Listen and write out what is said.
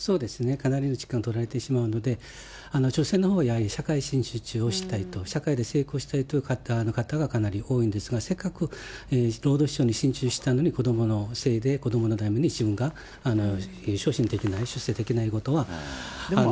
かなりの時間を取られてしまうので、女性のほうはやはり社会進出をしたりと、社会で成功したいという方がかなり多いんですが、せっかくにしたの子どものせいで子どものために自分が昇進できない、出世できないことがたぶん。